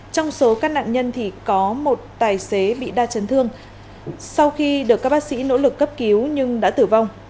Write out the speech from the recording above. trong số các nạn nhân thì có một tài xế bị đa chấn thương sau khi được các bác sĩ nỗ lực cấp cứu nhưng đã tử vong